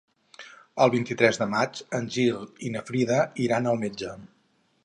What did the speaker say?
El vint-i-tres de maig en Gil i na Frida iran al metge.